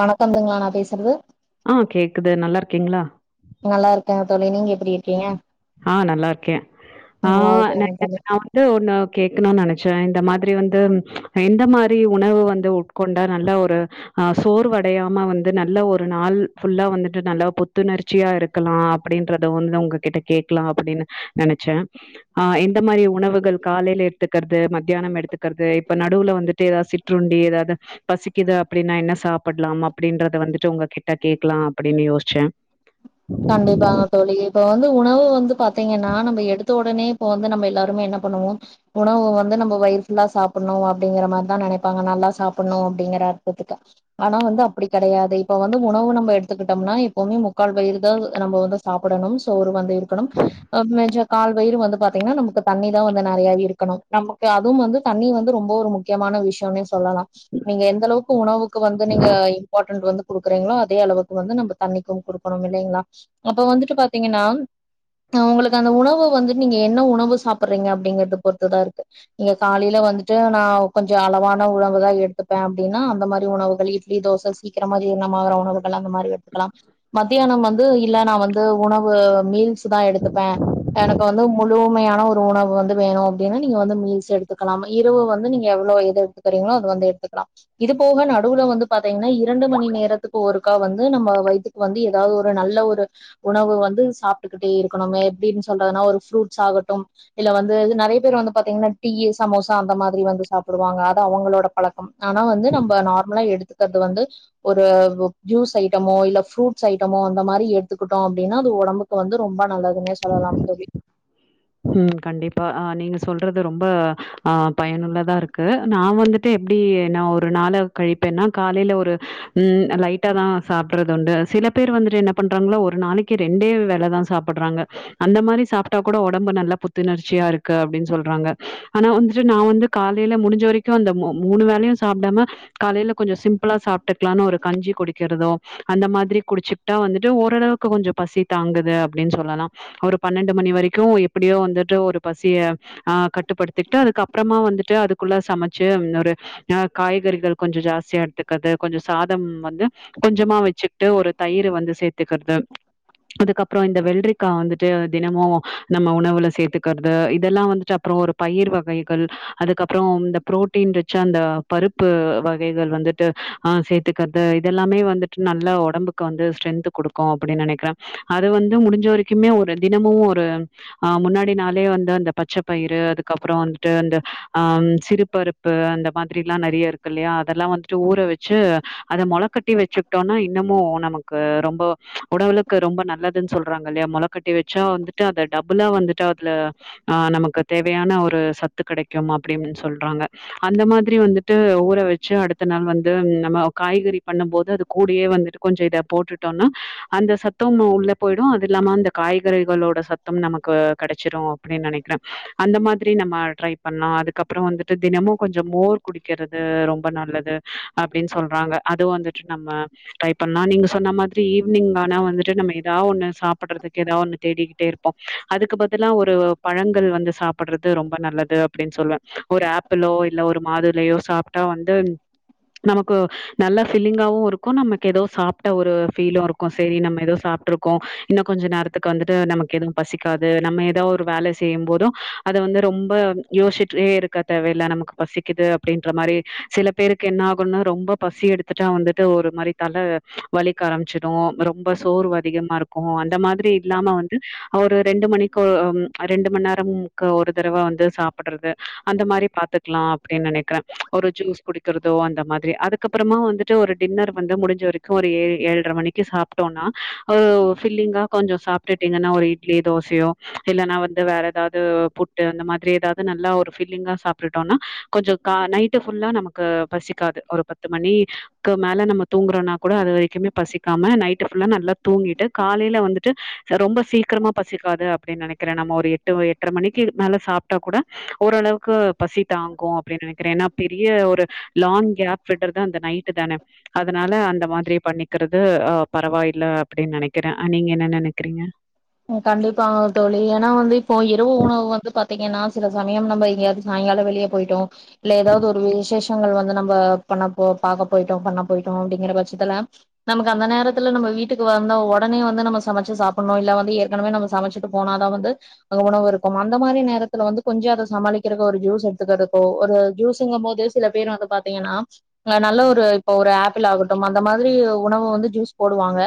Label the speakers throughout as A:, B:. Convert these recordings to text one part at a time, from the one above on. A: வணக்கத்திங்ளா நா பேசுறது
B: ஆ கேக்குது. நல்லா இருக்கீங்களா?
A: நல்லா இருக்கேங்க தோழி நீங்க எப்டி இருக்கீங்க
B: ஆ நல்லா இருக்கே ஆ
A: நல்லா இருக்கே
B: நா நா
A: தோழி
B: ஒ வந்து ஒண்ணு கேக்கணு நெனச்சே இந்த மாரி வந்து எந்த மாரி உணவு வந்து உட்கொண்டா நல்ல ஒரு அ சோர்வடையாம வந்து நல்ல ஒரு நாள் ஃபுல்லா வந்துட்டு நல்ல புத்துணர்ச்சியா இருக் கலா அப்டின்றத வந்து உங்ககிட்ட கேட்கலா அப்டினு நெனைச்சே ஆ எந்த மாரி உணவுகள் காலைல எடுத்துக்கிறது மத்தியானம் எடுத்துக்கறது இப்ப நடுவ்ல வந்துட்டு எதாச் சிற்றுண்டி எதாவ்து பசிக்குது அப்டின்னா என்ன சாப்பிடலாம் அப்டின்றத வந்துட்டு உங்க கிட்ட கேக்கலா அப்டினு யோசிச்சே
A: கண்டிப்பா தோழி இப்ப வந்து உணவு வந்து பாத்தீங்கன்னா நம்ம எடுத் தொடனே இப்ப வந்து நம்ம எல்லாருமே என்ன பண்ணுவோ உணவு வந்து நம்ம வயிறு ஃபுல்லா சாப்புட்ணு அப்டிங்கிற மாரிதா நெனைப்பாங்க நல்லா சாப்புட்ணு அப்டிங்கிற அர்த்தத்துக்கு ஆனா வந்து அப்டி கெடையாது இப்ப வந்து உணவு நம்ம எடுத்துக்கிட்டம்னா எப்பவ்மே முக்கால் வயிறு தா நம்ம வந்து சாப்பிடணும் சோறு வந்து இருக்கணும் அ மேஞ்சா கால் வயிறு வந்து பா த்தீங்கன்னா நமக்கு தண்ணி தா வந்து நெறையாவே இருக்கணு நமக்கு அதுவு வந்து தண்ணி வந்து ரொம்போ ஒரு முக்கியமான விஷ்யம்னே சொல்லலா நீங்க எந்த அளவுக்கு உணவுக்கு வந்து நீங்க இம்பாட்டன்ட் வந்து குடுக்கறீங்களோ அதே அளவுக்கு வந்து நம்ம தண்ணிக்கு குடுக்கணும் இல்லைங்ளா அப்ப வந்துட்டு பாத்தீங்கன்னா அவுங்களுக்கு அந்த உணவு வந்து நீங்க என்ன உணவு சாப்பறீங்க அப்டிங்கறத பொறுத்துதா இருக்கு நீங்க காலையல வந்துட்டு நா கொஞ்சோ அளவான உணவு தா எடுத்துப்பே அப்டின்னா அந்த மாரி உணவுகள் இ ட்லி தோசை சீக்கிரமா ஜீரணமாகற உணவுகள் அந்த மாரி எடுத்துக்கலா மத்தியானம் வந்து இல்ல நா வந்து உணவு மீல்சு தா எடுத்துப்பே எனக்கு வந்து முழுமையான ஒரு உணவு வந்து வேணு அப்டின்னா நீங்க வந்து மீல்ஸ் எடுத்துக்கலாம் இரவு வந்து நீங்க எவ்ளோ எடு த்துகறீங்களோ அத வந்து எடுத்துக்கலா இது போக நடுவுல வந்து பாத்தீங்கன்னா இரண்டு மணி நேரத்துக்கு ஒருக்கா வந்து நம்ம வய்த்துக்கு வந்து எதாவ்து ஒரு நல்ல ஒரு உணவு வந்து சாப்ட்டுக்கிட்டே இருக்கணுமே எப்டின் சொல்றதுனா ஒரு ஃப்ரூட்ஸ் ஆகட்டும் இல்ல வந்து இது நெறைய பேரு வந்து பாத்தீங்கன்னா டீயி சமோசா அந்த மாதிரி வந்து சாப்பிடுவாங்க அது அவுங்களோட பழக்கம் ஆனா வந்து நம்ம நார்மலா எடுத்துக்கிறது வந்து ஒரு ஜூஸ் ஐட்டமோ இல்ல ஃப்ரூட் ஐட்டமோ அந்த மாரி எடுத்துக்கிட்டோ அப்டின்னா அது ஒடம்புக்கு வந்து ரொம்ப நல்லதுன்னே சொல்லலாம் தோழி
B: ம் கண்டிப்பா அ நீங்க சொல்றது ரொம்ப ஆ பயனுள்ளதா இருக்கு நா வந்து ட்டு எப்டி நா ஒரு நாள கழிப்பேன்னா காலைல ஒரு ம் லைட்டா தா சாப்பிடறது உண்டு சில பேர் வந்துட்டு என்ன பண்றாங்களோ ஒரு நாளைக்கு ரெண்டே வேலதா சாப் பட்றாங்க அந்த மாரி சாப்ட்டா கூட ஒ டம்பு நல்ல புத்துணர்ச்சியா இருக்கு அப்டின் சொல்றாங்க ஆனா வந்துட்டு நா வந்து காலைல முடிஞ்ச வரைக் கு அந்த மூ மூணு வேலயு சாப்டாம காலைல கொஞ்சோ சிம்ப்ளா சாப்ட்டுக்கலானு ஒரு கஞ்சி குடிக்கிறது அந்த மாதிரி குடிச்சிக்ட்டா வந்துட்டு ஓரளவுக்கு கொஞ்சோ பசி தாங்குது அப்டின் சொல்லலா ஒரு பன்னெண்டு மணி வரைக்கு எப்டியோ வந்துட்டு ஒரு பசிய ஆ கட்டுப்படுத்திக்ட்டு அதுக்கப்பறமா வந்துட்டு அதுக்குள்ள சமைச்சு ஒரு ஆ காய்கறிகள் கொஞ்சோ ஜாஸ்தியா எடுத்துக்கிறது கொஞ்ச சாதம் வந்து கொஞ்சமா வெச்சிக்ட்டு ஒரு தயிரு வந்து சேத்துக்கிறது அதுக்கப்பறோ இந்த வெள்ரிக்கா வந்துட்டு தினமு நம்ம உணவுல சேத்துக்கறது இதெல்லா வந்துட்டு அப்றோ ஒரு பயிர் வகைகள் அதுக்கப்றோ இந்த புரோட்டீன்றிச்சா அந்த பருப்பு வகைகள் வந்துட்டு ஆ சேத்துக்கறது இதெல்லாமே வந்துட்டு நல்ல ஒடம்புக்கு வந்து ஸ்ரென்த்த குடுக்கு அப்டி நெனைக்றே அது வந்து முடிஞ்ச வரைக்குமே ஒரு தினமு ஒரு ஆ முன்னாடி நாளே வந்து அந்த பச்ச பயிறு அதுக்கப்புறோ வந்துட்டு அந்த ஆ சிறுபருப் பு அந்த மாதிரி எல்லா நெறைய இருக்கு இல்லையா அதெல்லா வந்துட்டு ஊற வெச்சு அத மொளக்க ட்டி வச்சுக்கிட்டோனா இன்னமு நமக்கு ரொம்ப உடலுக்கு ரொம்ப நல்லதுன்னு சொல்றாங்க இல்லையா மொள கட்டி வச்சா வந்துட்டு அத டபுளா வந்துட்டு அதுல ஆ நமக்கு தேவையான ஒரு சத்து கெடைக்கும் அப்டின்னு சொல்றாங்க அந்த மாதிரி வந்துட்டு ஊற வச்சு அடுத்த நாள் வந்து நம்ம காய்கறி பண்ணும் போது அது கூடயே வந்துட்டு கொஞ்சொ இத போட்டுட்டோனா அந்த சத்தும் உள்ள போயிடு அது இல்லாம அந்த காய்கறிகளோட சத் தும் நமக்கு கெடைச்சிடோ அப்டினு நெனைக்கிறே அந்த மாதிரி நம்ம பண்லா அதுக்கப் புறோ வந்துட்டு தினமு கொஞ்சோ மோர் குடிக்கிறது ரொம்ப நல்லது அப்டின்னு சொல்றாங்க அதுவு வந்து நம்ம ட்ரை பண்லா நீங்க சொன்ன மாதிரி ஈவினிங் வேனா வந்துட்டு நம்ம ஏதா ஒண்ண சாப்புடுறதுக்கு ஏதா ஒன்னு தேடிகிட்டே இரு ப்போ அதுக்கு பதிலா ஒரு பழங்கள் வந்து சாப்புடுறது ரொம்ப நல்லது அப்டின்னு சொல்லுவே ஒரு ஆப் பிளோ இல்ல ஒரு மாதுளையோ சாப்ட்டா வந்து நமக்கு நல்லா ஃபில்லிங்காவு இருக்கு நமக்கு ஏதோ சாப்ட்ட ஒரு ஃபீலு இருக் கு சேரி நம்ம ஏதோ சாப்ட்டு இருக்கோ இன்னு கொஞ்ச நேரத்துக்கு வந்துட்டு நமக்கு எதவு பசிக்காது நம்ம ஏதா ஒரு வேல செய்யும் போது அத வந்து ரொம்ப யோச்சிட்டே இரு க்க தேவையில்ல நமக்கு பசிக்குது அப்டின்ற மாரி சில பேருக்கு என்ன ஆகுன்னு ரொம்ப பசி எடுத்துட்டா வந்துட்டு ஒரு மாரி தல வலிக்க ஆரம்பிச்சிடு ரொம்ப சோர்வு அதிகமா இருக்கு அந்த மாதிரி இல்லாம வந்து ஒரு ரெண்டு மணிக்கு ம் ரெண்டு மணி நேரம்க்கு ஒரு தடவ வந்து சாப்புடுறது அந்த மாரி பாத்துக்குலா அப்டி நெனைக்கிறே ஒரு ஜூஸ் குடுக்கிறதோ அந்த மாதிரி அதுக்கப்புறமா வந்துட்டு ஒரு டின்னர் வந்து முடிஞ்ச வரி க்கு ஒரு ஏ ஏழர மணிக்கு சாப்ட்டோனா அ ஃபில்லிங்கா கொஞ்சோ சாப்ட்டுட்டீங்கன்னா ஒரு இட்லி தோசையோ இல்லன்னா வந்து வேற ஏதாவ்து புட்டு அந்த மாதிரி ஏதாவது நல்லா ஒரு ஃபில்லிங்கா சாப்ட்டுட்டோனா கொஞ்சோ கா நைட்டு ஃபுல்லா நமக்கு பசிக்காது ஒரு பத்து மணி க்கு மேல நம்ம தூங்கறோனா கூட அது வரைக்குமே பசிக்காம நைட்டு ஃபுல்லா நல்லா தூங்கிட்டு காலையில வந்துட்டு ரொம்ப சீக்கிரமா பசிக்காது அப்டின்னு நெனைக்கிறே நம்ம ஒரு எட்டு எட்ர மணிக்கு மேலே சாப்ட்டா கூட ஓரளவுக்கு பசி தாங்கு அப்டின்னு நனைக்கிறே ஏன்னா பெரிய ஒரு லாங் கேப் விடுறது அந்த நைட்டு தானே அதனால அந்த மாதிரி பண்ணிக்கறது அ பரவாயில்ல அப்டின்னு நனைக்கிறே அ நீங்க என்ன நனைக்கிறீங்க
A: கண்டிப்பா தோழி ஏன்னா வந்து இப்போ இரவு உணவு வந்து பாத்தீங்கன்னா சில சமயம் நம்ம எங்கயாது சாயங்கால வெளியே போயிட்டோ இல்ல ஏதாவது ஒரு விசேஷங்கள் வந்து நம்ம பண்ண போ பாக்க போயிட்டோ பண்ண போயிட்டோ அப்டிங்குற பச்சத்துல நமக்கு அந்த நேரத்துல நம்ம வீட்டுக்கு வந்த ஒடனே வந்து நம்ம சமச்சு சாப்புட்ணு இல்ல வந் கு ஏற்கனவே நம்ம சமச்சிட்டு போனாதா வந்து அங்க உணவு இருக்கும் அந்த மாரி நேரத்துல வந்து கொஞ்சோ அத சமாளிக்கிறக்கு ஒரு ஜூஸ் எடுத்துக்கிறதுக்கு ஒரு ஜூஸுங்கும் போது சில பேர் வந்து பாத்தீங்கன்னா ந நல்ல ஒரு இப்ப ஒரு ஆப்பிள் ஆகட்டும் அந்த மாரி உணவு வந்து ஜூஸ் போடுவாங்க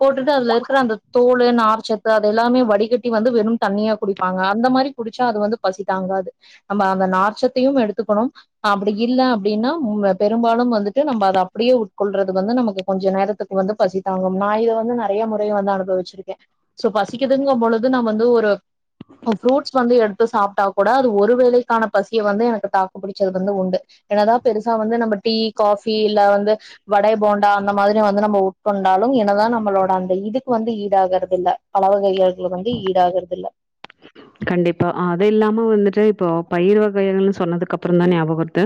A: போட்டுட்டு அதுல இருக்குற அந்த தோளு நாருச்ச ச அது எல்லாமே வடிகட்டி வந்து வெறு தண்ணியா குடிப்பாங்க அந்த மாரி குடிச்சா அது வந்து பசி தாங்காது நம்ம அந்த நார்ச்சத்தையும் எடுத்துக்கணு அப்டி இல்ல அப்டின்னா ம் பெரும்பாலும் வந்துட்டு நம்ம அது அப்டியே உட்கொள்றது வந்து நமக்கு கொஞ்சோ நேரத்துக் வந்து பசி தாங்கும் நா இத வந்து நறைய முறை வந்து அனுபவிச்சிருக்கே சோ பசிக்குதுங்கும் பொழுது நா வந்து ஒரு ஃப்ரூட்ஸ் வந்து எடுத்து சாப்ட்டா கூட அது ஒரு வேளைக்கான பசிய வந்து எனக்கு தாக்கு புடிச்சது வந்து உண்டு என்னதா பெருசா வந்து நம்ம டீ காஃபி இல்ல வந்து வட போண்டா அந்த மாரி வந்து நம்ம உட் கொண்டாலும் என்னதா நம்மளோட அந்த இதுக்கு வந்து ஈடாகறது இல்ல பலவகைகளுக்கு வந்து ஈடாகறது இல்ல
B: கண்டிப்பா அ அது இல்லாம வந்துட்டு இப்போ பயிர்வகைகள்னு சொன்னதுக்கு அப்புறோதா ஞாபகோ வருது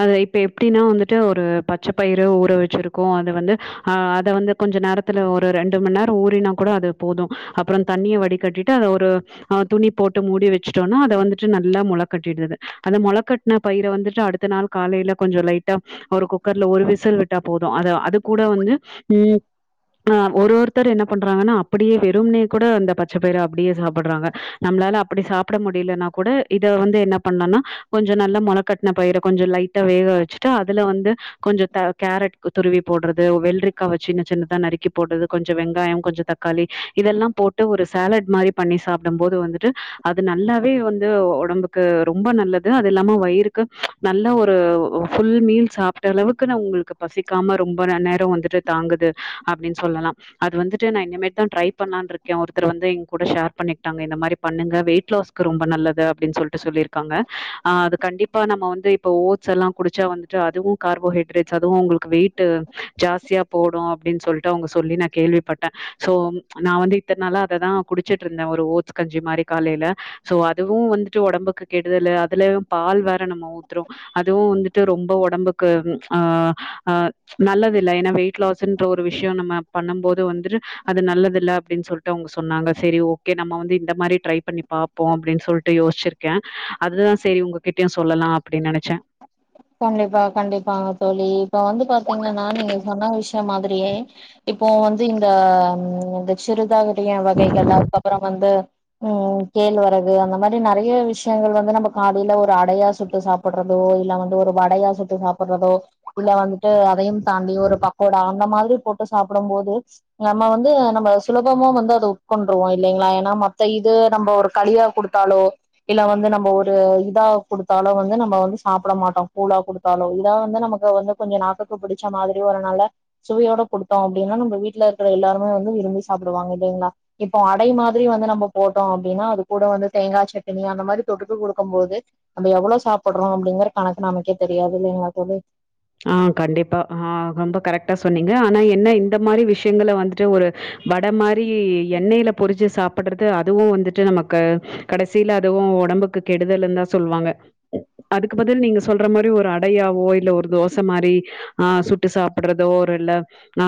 B: அத இப் இப்ப எப்டினா வந்துட்டு ஒரு பச்ச பயிர ஊற வெச்சிருக்கோ அது வந்து ஆ அத வந்து கொஞ்ச நேரத்துல ஒரு ரெண்டுமண் நேரோ ஊறினா கூட அது போது அப்றோ தண்ணிய வடி கட்டிட்டு ட்ட ஒரு அ துணி போட்டு மூடி வெச்சுட்டோனா அது வந்துட்டு நல்லா மொள கட்டிடுது அந்த மொளக்கட்ன பயிர வந்துடு அடுத்த நாள் காலைல கொஞ்சோ லைட்டா ஒரு குக்கர்ல ஒரு விசில் விட்டா போது அத அது கூட வந்து ம் ஆ ஒரு ஒருத்தர் என்ன பண்றாங்கனா அப்படியே வெறும்னே கூட அந்த பச்சப்பயிர அப்டியே சாப்பட்றாங்க நம்ளால அப்டி சாப்ட முடிலனா கூட இத வந்து என்ன பண்லானா கொஞ்ச நல்லா மொளக்கட்ன பயிர கொஞ்சோ லைட் டா வேக வெச்சுட்டு அதுல வந்து கொஞ்சத்த கேரட் துருவி போட்றது வெள்ரிக்காவ சின்ன சின்னதா நறுக்கி போட்றது கொஞ்சோ வெங்காயோ கொஞ்ச தக் காளி இதல்லா போட்டு ஒரு சேலட் மாரி பண்ணி சாப்டம்போது வந்து அது நல்லாவே வந்து ஒடம்புக்கு ரொம்ப நல்லது அது இல்லாம வயிறுக்கு நல்ல ஒரு ஃபுல் மீல் சாப்ட அளவுக்கு நா உங்ளுக்கு பசிக்காம ரொம்ப நேரோ வந்துட்டு தாங்குது அப்டினு சொல்லலா அது வந்துட்டு நா இனமேட்தா ட்ரை பண்லான்ருக்கே ஒருத்தர் வந்து எ கூட ஷேர் பண்ணிக்டாங்க இந்த மாரி பண்ணுங்க வெயிட் லாஸ்கு ரொம்ப நல்லது அப்டின் சொல்ட்டு சொல்லிருக்காங்க ஆ அது கண்டிப்பா நம்ம வந்து இப்ப ஓ ஸலா குடிச்சா வந்துட்டு அதுவு கார்போஹைட்ரேட்ஸ் அதுவு உங்ளுக்கு வெய்டூ ஜாஸ்தியா போடு அப்டின் சொல்ட்டு அவுங்க சொல்லி நா கேள்விபட்ட சோ நா வந்து இத்தன் நாளா அததா குடிச்சுட்ருந்தே ஒரு ஓட்ஸ் கஞ்சி மாரி காலேல சோ அதுவு வந்துட்டு ஒடம்புக்கு கெடுதலு அதுலயு பால் வேற நம்ம ஊத்தரோ அதுவு வந்துட்டு ரொம்ப ஒடம்புக்கு ஆ ஆ நல்லதுல்ல எனா வெயிட்லாஸுன்ற ஒரு விஷ்யோ நம்ம பண்ணும்போது வந்துட்டு அது நல்லதுல்ல அப்டின் சொல்ட்டு அவுங்க சொன்னாங்க செரி ஓகே நம்ம வந்து இந்த மாரி ட்ரை பண்ணி பாப்போ அப்டின் சொல்ட்டு யோச்சுருக அதுதா செரி உங்ககிட்யு சொல்லலா அப்டின் நெனச்ச
A: கண்டிப்பா கண்டிப்பாங்க தோழி இப்ப வந்து பாத்தீங்கனா நீங்க சொன்ன விஷயோ மாதிரியே இப்போ வந்து இந்த இந்த சுடிதாரு நரைய வகைகள்லா இருக்கு அப்பறோ வந்து ம் கேல்வரகு அந்த மாரி நறைய விஷயங்கள் வந்து நம்ப காலேல ஒரு அடையா சுட்டு சாப்பட்றதோ இல்ல அவங் ஒரு வடையா சுட்டு சாப்பட்றதோ இல்ல வந்துட்டு அதையு தாண்டி ஒரு பக்கோடா அந்த மாதிரி போட் டு சாப்படம்போது நம்ம வந்து நம்ம சுலபமா வந்து அத உட்கோண்ருவோ இல்லைங்ளா எனா மத்த இது நம்ப ஒரு கலியா குடுத் தாலோ இல்ல வந்து நம்ப ஒரு இதா குடுத்தாலோ வந்து நம்ப வந்து சாப்ட மாட்டோ கூழா குடுத்தாலோ இல்ல வந்து நமக்கு வந்து கொஞ்ச நாக்குக்கு புடிச்ச மாதிரி ஒரு நல்ல சுவையோட குடுத்தோ அப்டினா நம்ம வீட்ல இருக்ற எல்லாருமே வந்து விறும்பி சாப்டுவாங்க இல்லைங்ளா இப்போ அடை மாதிரி வந்து நம்ப போட்டோ அப்டினா அது கூட வந்து தேங்கா சட்டினி அந்தமாரி தொட்டுக்க குடுக்கும்போது நம்ப எவளோ சாப்பட்றோ அப்டிங்கற கணக் நமக்கே தெரியாது இல்லைங்ளா தோழி
B: ஆ கண்டிப்பா ஆ ரொம்ப கரெக்டா சொன்னீங்க ஆனா என்ன இந்த மாரி விஷயங்கள வந்துட்டு ஒரு வட மாரி எண்ணெய்ல பொரிச்சு சாப்பட்றது அதுவு வந்துட்டு நமக்கு கடைசில அதுவு ஒடம்புக்கு கெடுதலுன்தா சொல்வாங்க அதுக்கு பதில் நீங்க சொல்றமாரி ஒரு அடையாவோ இல்ல ஒரு தோசமாரி ஆ சுட்டு சாப்பட்றதோ ஒருல ஆ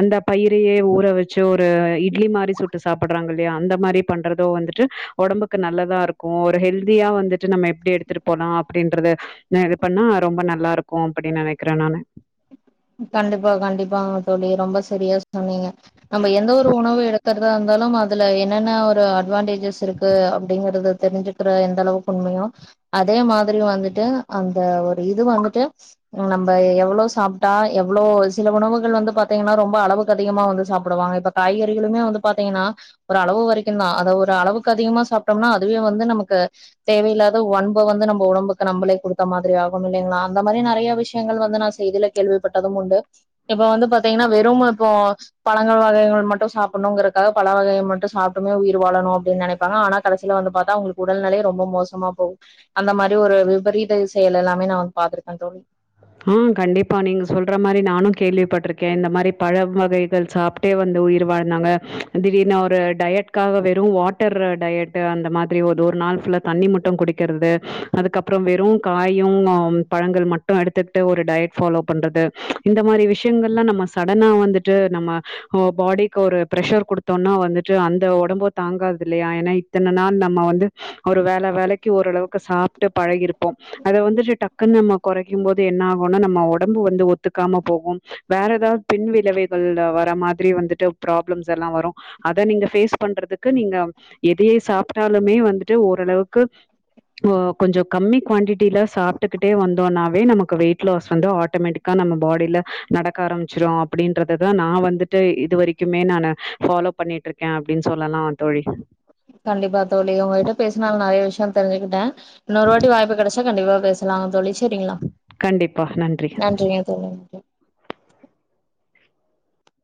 B: அந்த பயிரயே ஊற வெச்சு ஒரு இட்லிமாரி சுட்டு சாப்பட்றாங்க இல்லையா அந்தமாரி பண்றதோ வந்துட்டு ஒடம்புக்கு நல்லதாருக்கு ஒரு ஹெல்தியா வந்துட்டு நம்ம எப்டி எடுத்துடு போலா அப்டின்றது நா இது பண்ணா ரொம்ப நல்லாருக்கு அப்டின் நெனைக்கிறே நானு
A: கண்டிப்பா கண்டிப்பாங்க தோழி ரொம்ப செரியா சொன்னீங்க நம்ப எந்த ஒரு உணவு எடுக்றதா இருந்தாலு அதுல என்னென்ன ஒரு அட்வான்டேஜ் ஜஸ் இருக்கு அப்டிங்கிறத தெரிஞ்சு க்கிறது எந்தளவுக்கு உண்மையோ அதே மாதிரி வந்துட்டு அந்த ஒரு இது வந்துட்டு ம் நம்ப எவ்ளோ ச சாப்ட்டா எவ்ளோ சில உணவுகள் வந்து பாத்தீங்னா ரொம்ப அளவுக்கு அதிகமா வந்து சாப்டுவாங்க இப்ப காய்கறிகளுமே வந்து பாத்தீங்னா ஒரு அளவு வரைக்குந்தா அத ஒரு அளவுக்கு அதிகமா சாப்டோம்னா அதுவே வந்து நமக்கு தேவயில்லாத ஒன்ப வந்து நம்ப ஒடம்புக்கு நம்பளே குடுத்த மாதிரி ஆகும் இல்லைங்ளா அந்த மாரி நெறையா விஷ்யங்கள் வந்து நா செய்தில கேள்விபட்டதும் உண்டு இப்ப வந்து பாத்தீங்னா வெறும் அப்போ பழங்க வகைகள் மட்டு சாப்புட்னுங்கறக்காக பழ வகைய மட்டு சாப்ட்டுதா உயிர் வாழணு அப்டின் நெனைப்பாங்க ஆனா கடசில வந்து பாத்தா அவ்ங்களுக்கு உடல் நிலை ரொம்ப மோசமா போகு அந்த மாரி ஒரு விபரீத செயல் எல்லாமே நா பாத்திருக்க தோழி
B: ம் கண்டிப்பா நீங்க சொல்ற மாரி நானு கேள்விப்பட்ரு க்கே இந்த மாரி பழம் வகைகள் சாப்ட்டே வந்து உயிர் வாழ்ந்தாங்க திடீர்னு ஒரு டயட் க்காக வெறு வாட்டரு டயட்டு அந்த மாதிரி ஒரு ஒரு நாள் ஃபுல்லா தண்ணி மட்டு குடிக்கிறது அதுக்கப்ற வெறு காயு அ பழங்கள் மட் டு எடுத்துக்ட்டு ஒரு டயட் ஃபாலோ பண்றது இந்த மாரி விஷ்யங்கள்லா நம்ம சடனா வந்துட்டு நம்ம ஒங்க பாடிக்கு ஒரு ப்ரஷர் குடுத்தோன்னா வந்துட்டு அந்த ஒடம்பு தாங்காதில்லையா ஏனா இத் த்தன நாள் நம்ம வந்து ஒரு வேள வேளைக்கு ஓரளவுக்கு சாப்ட்டு பழகிருப்போ அத வந்துட்டு டக்குனு நம்ம கொறைக்கும் போது என்ன ஆகுனா நம்ம ஒடம்பு வந்து ஒத்துக்காம போகும் வேற எதாவ்து பின் விளவைகள்ல வர மாதிரி வந்துட்டு ப்ராப்ளம்ஸ் எல்லா வரு அத நீங்க ஃபேஸ் பண்றதுக்கு நீங்க எதையே சாப்ட்டாலுமே வந்துட்டு ஓரளவுக்கு போ கொஞ்ச கம்மி குவாண்டிடில சாப்ட்டுக்கிட்டே வந் ந்தோனாவே நமக்கு வெயிட் லாஸ் வந்து ஆட்டமெட்டிக்கா நம்ம பாடில நடக்க ஆரம்மிச்சுரு அப்டின்றததா நா வந்து த இது வரைக்குமே நானு ஃபாலோ பண்ணிட்ருக்கே அப்டின் சொல்லலா தோழி
A: கண்டிப்பா தோழி உங்ககிட்ட பேசுனதுல நெறைய விஷ்யோ தெரிஞ்சுக்கிட்டே இன்னொரு வாட்டி வாய்ப்பு கெடச்சா கண்டிப்பா பேச லா தோழி சேரிங்களா
B: கண்டிப்பா நன்றி
A: நன்றிங்க தோழி